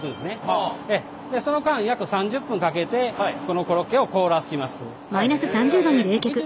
でその間約３０分かけてこのコロッケを凍らします。